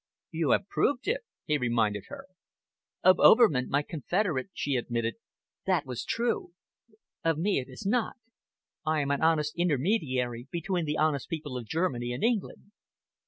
"You have proved it," he reminded her. "Of Overman my confederate," she admitted, "that was true. Of me it is not. I am an honest intermediary between the honest people of Germany and England."